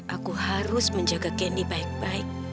aku harus menjaga kendi baik baik